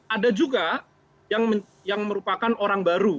ada juga yang merupakan orang baru